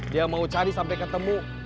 dia mau cari sampai ketemu